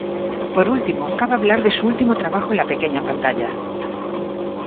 Por último, cabe hablar de su último trabajo en la pequeña pantalla.